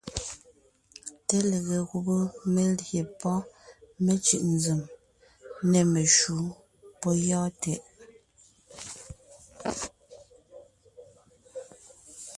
Té lege gùbé (melyè pɔ́ mecʉ̀ʼ nzèm) nê meshǔ... pɔ́ gyɔ́ɔn tɛʼ!